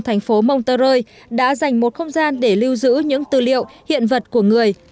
thành phố montreux đã dành một không gian để lưu giữ những tư liệu hiện vật của người